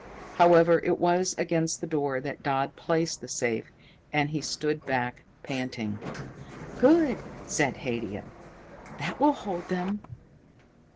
However, it was against the door that Dodd placed the safe, and he stood back, panting. "Good," said Haidia. "That will hold them."